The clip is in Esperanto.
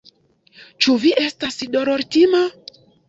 Ĉu vi estas dolortima?